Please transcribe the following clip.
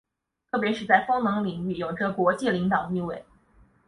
特别是在风能领域有着国际领导地位。